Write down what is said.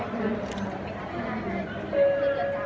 พี่แม่ที่เว้นได้รับความรู้สึกมากกว่า